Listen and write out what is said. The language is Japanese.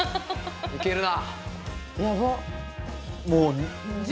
いけるな。